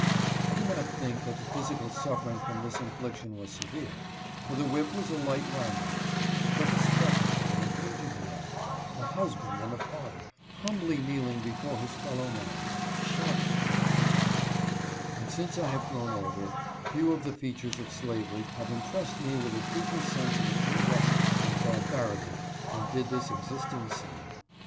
I do not think that the physical suffering from this infliction was severe, for the whip was a light riding whip ; but the spectacle of an aged man — a husband and a father — humbly kneeling before his fellow man, shocked me at the time ; and since I have grown older, few of the features of slavery have impressed me with a deeper sense of its injustice and barbarity than did this exciting scene.